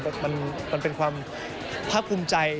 คือมันเป็นความภาพคุมใจ